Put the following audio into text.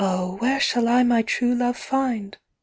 where shall I my true love find?